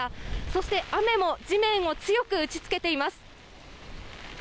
そして雨も地面を強く打ちつけています。